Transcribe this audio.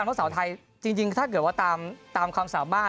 เพราะสาวไทยจริงถ้าเกิดว่าตามความสามารถ